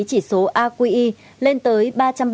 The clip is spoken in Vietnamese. chỉ số aqi lên tới